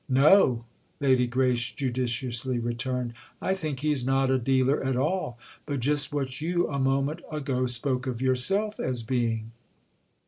"No," Lady Grace judiciously returned; "I think he's not a dealer at all, but just what you a moment ago spoke of yourself as being."